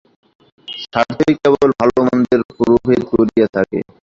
স্বার্থই কেবল ভাল-মন্দের প্রভেদ করিয়া থাকে।